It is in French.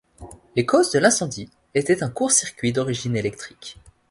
Les causes de l'incendie étaient un court-circuit d'origine électrique.